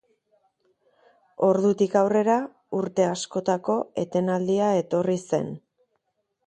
Ordutik aurrera urte askotako etenaldia etorri zen.